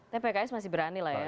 tapi pks masih berani lah ya